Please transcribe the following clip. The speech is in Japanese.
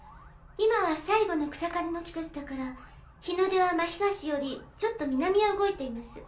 今は最後の草刈りの季節だから日の出は真東よりちょっと南へ動いています。